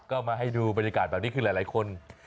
ก็มาให้ดูบรรยากาศแบบนี้คือหลายคน